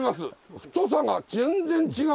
太さが全然違うもの。